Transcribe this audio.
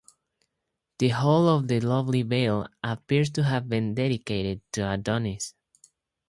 The whole of the lovely vale appears to have been dedicated to Adonis.